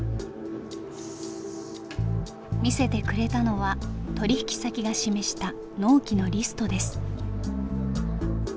見せてくれたのは取引先が示した納期のリストです。